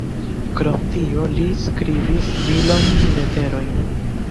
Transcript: Krom tio li skribis milojn leterojn.